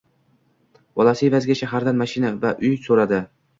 bolasi evaziga shahardan mashina va uy so`radi